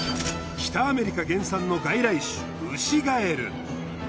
北アメリカ原産の外来種ウシガエル。